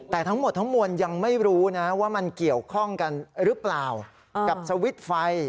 แต่ทั้งหมดทั้งมวลยังไม่รู้นะว่ามันเกี่ยวข้องกันหรือเปล่ากับสวิตช์ไฟ